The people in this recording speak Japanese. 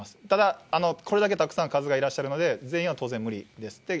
ただ、これだけたくさん数がいらっしゃるので、全員は当然無理です。